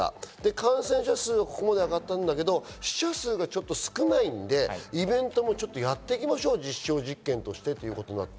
感染者数がここまで上がったんだけど死者数が少ないのでイベントもやっていきましょうと、実証実験としてということだった。